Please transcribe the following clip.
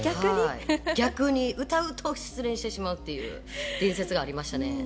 逆に歌うと失恋してしまうという伝説がありましたね。